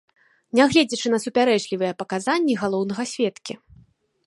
Нягледзячы на супярэчлівыя паказанні галоўнага сведкі.